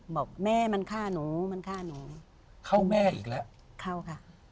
บอกแม่มันฆ่าหนูมันฆ่าหนูเข้าแม่อีกแล้วเข้าค่ะ